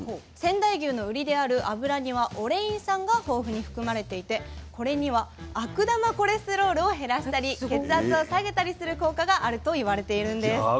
仙台牛のウリである脂にはオレイン酸が豊富に含まれていてこれには悪玉コレステロールを減らしたり血圧を下げたりする効果があると言われているんです。